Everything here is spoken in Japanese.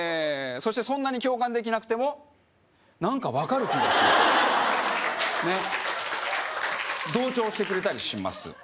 そしてそんなに共感できなくても何か分かる気がするとねっ同調してくれたりします